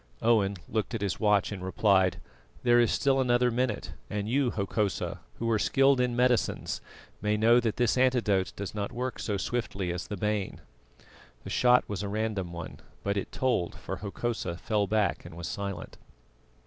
Owen looked at his watch and replied: "There is still another minute; and you, Hokosa, who are skilled in medicines, may know that this antidote does not work so swiftly as the bane." The shot was a random one, but it told, for Hokosa fell back and was silent.